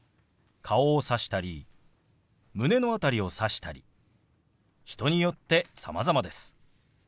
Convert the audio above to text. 顔をさしたり胸の辺りをさしたり人によってさまざまです。